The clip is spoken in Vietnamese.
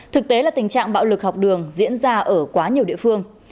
thực tế là tình trạng bạo lực học đường diễn ra ở quá nhiều địa phương